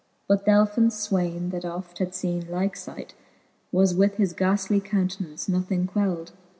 But th'elfin fwaine, that oft had leene like fight. Was with his ghaftly count'nance nothing queld.